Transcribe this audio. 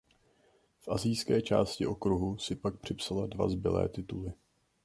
V asijské části okruhu si pak připsala dva zbylé tituly.